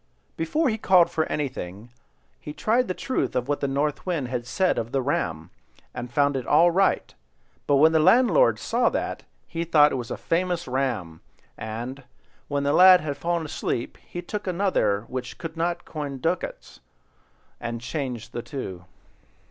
Before he called for anything, he tried the truth of what the North Wind had said of the ram, and found it all right; but when the landlord saw that, he thought it was a famous ram, and, when the lad had fallen asleep, he took another which couldn't coin gold ducats, and changed the two.